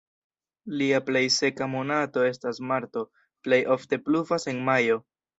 Lia plej seka monato estas marto, plej ofte pluvas en majo.